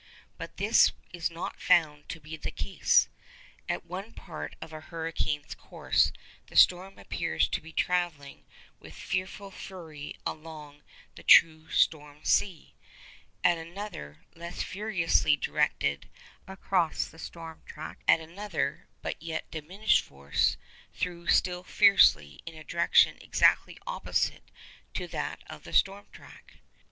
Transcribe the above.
But this is not found to be the case. At one part of a hurricane's course the storm appears to be travelling with fearful fury along the true storm ⊂; at another less furiously directed across the storm track; at another, but with yet diminished force, though still fiercely, in a direction exactly opposite to that of the storm track.